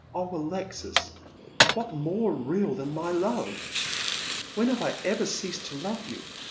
Oh, Alexis, what more real than my love ? When have I ever ceased to love you?